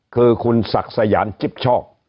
คือคุณศักดิ์สยานจิ๊บชอบ